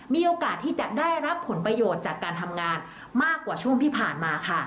มีโอกาสที่จะได้รับผลประโยชน์จากการทำงานมากกว่าช่วงที่ผ่านมาค่ะ